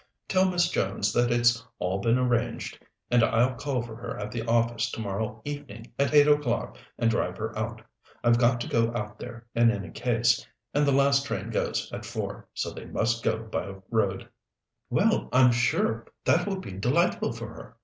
Tell Miss Jones that it's all been arranged, and I'll call for her at the office tomorrow evening at eight o'clock and drive her out. I've got to go out there in any case, and the last train goes at four, so they must go by road." "Well, I'm sure that will be delightful for her!"